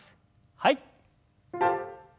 はい。